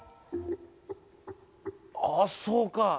あっそうか。